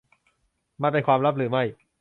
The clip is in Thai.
มันเป็นความลับหรือไม่ ?